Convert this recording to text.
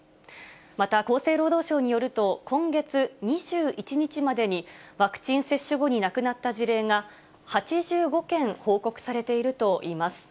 また、厚生労働省によると、今月２１日までに、ワクチン接種後に亡くなった事例が８５件報告されているといいます。